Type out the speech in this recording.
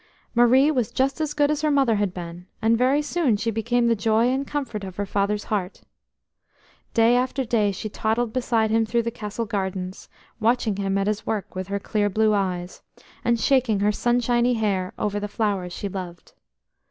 Marie was just as good as her mother had been, and very soon she became the joy and comfort of her father's heart. Day after day she toddled beside him through the Castle gardens, watching him at his work with her clear blue eyes, and shaking her sunshiny hair over the flowers she loved.